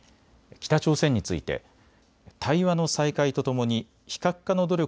北朝鮮について対話の再開とともに非核化の努力